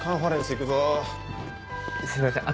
すいません